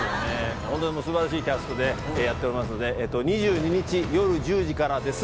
素晴らしいキャストでやっておりますので２２日夜１０時からです